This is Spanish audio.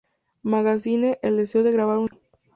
Magazine el deseo de grabar un segundo disco.